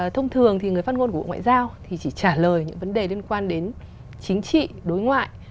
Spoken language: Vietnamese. thông thường thì người phát ngôn của bộ ngoại giao thì chỉ trả lời những vấn đề liên quan đến chính trị đối ngoại